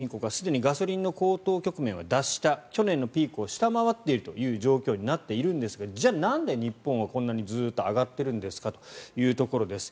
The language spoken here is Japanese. アメリカ、ヨーロッパといった先進国はすでにガソリンの高騰局面は脱した去年のピークを下回っているという状況になっているんですがじゃあなんで日本はこんなにずっと上がってるんですかというところです。